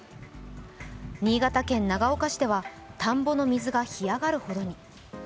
新潟県長岡市では田んぼの水が干上がるほどに。